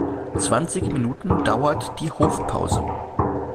Zwanzig Minuten dauert die Hofpause.